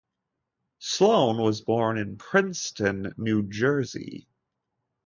Sloan was born in Princeton, New Jersey.